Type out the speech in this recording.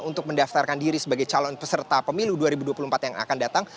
untuk mendaftarkan diri sebagai calon peserta pemilu dua ribu dua puluh empat yang akan datang